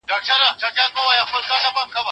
دا ویډیو په ډېر لوړ کیفیت جوړه شوې ده.